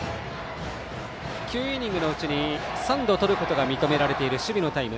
９イニングのうちに３度とることが認められている守備のタイム。